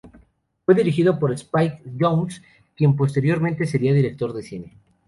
Fue dirigido por Spike Jonze, quien posteriormente sería director de cine.